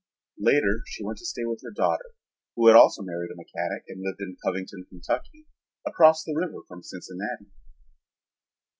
Later she went to stay with her daughter, who had also married a mechanic and lived in Covington, Kentucky, across the river from Cincinnati.